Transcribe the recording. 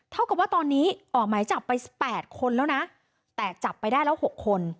เท่ากับว่าตอนนี้ออกหมายจับไป๘คนแล้วนะแต่จับไปได้แล้ว๖คน